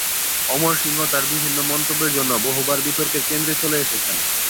অমর সিংহ তার বিভিন্ন মন্তব্যের জন্য বহুবার বিতর্কের কেন্দ্রে চলে এসেছেন।